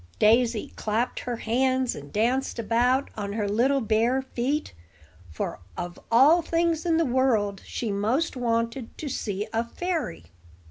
Daisy clapped her hands, and danced about on her little bare feet; for, of all things in the world, she most wanted to see a fairy.